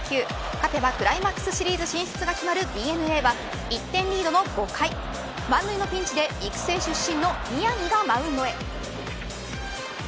勝てばクライマックスシリーズ進出が決まるＤｅＮＡは１点リードの５回満塁のピンチで、育成出身の宮城がマウンドへ。